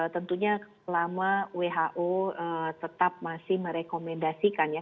tentunya selama who tetap masih merekomendasikan ya